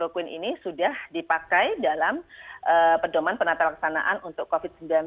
kloroquine ini sudah dipakai dalam perdoman penata laksanaan untuk covid sembilan belas